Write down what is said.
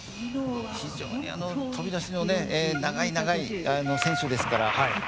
非常に、飛び出しの長い長い選手ですから。